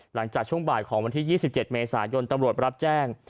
หลังจากช่วงบ่ายของวันที่๒๗เมษายนตำรวจรับแจ้ง